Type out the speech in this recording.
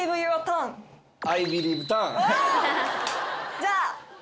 じゃあ。